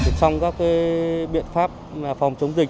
trong các biện pháp phòng chống dịch